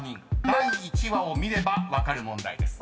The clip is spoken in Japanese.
第１話を見れば分かる問題です。